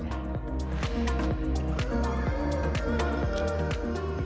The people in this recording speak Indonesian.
bagaimana menjadikan kerajaan ini berhasil